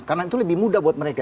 karena itu lebih mudah buat mereka